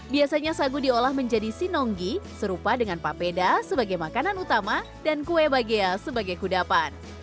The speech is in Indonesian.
biasanya sagu diolah menjadi sinonggi serupa dengan papeda sebagai makanan utama dan kue bagian sebagai kudapan